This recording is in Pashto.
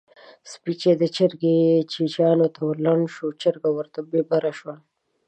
سپی چې د چرګې چیچيانو ته ورلنډ شو؛ چرګه ورته ببره شوه.